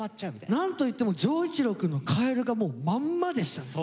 なんといっても丈一郎くんのカエルがもうまんまでしたね。